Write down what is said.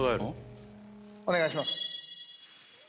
お願いします。